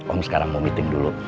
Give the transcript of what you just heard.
om sekarang mau meeting dulu